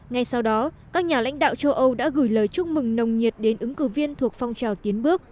ngay sau đó các nhà lãnh đạo châu âu đã gửi lời chúc mừng nồng nhiệt đến ứng cử viên thuộc phong trào tiến bước